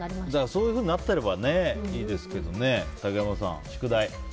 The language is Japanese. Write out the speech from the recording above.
そういうふうになってればいいですけど竹山さん、宿題。